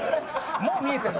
もう見えてるの？